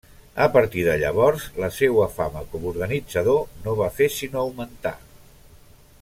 A partir de llavors, la seua fama com organitzador no va fer sinó augmentar.